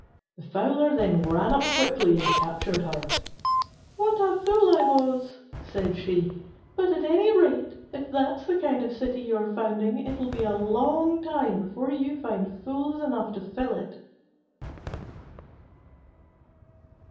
The Fowler then ran up quickly and captured her. "What a fool I was!" said she: "but at any rate, if that's the kind of city you are founding, it'll be a long time before you find fools enough to fill it."